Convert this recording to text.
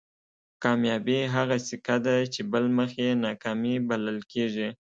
کامیابي هغه سکه ده چې بل مخ یې ناکامي بلل کېږي.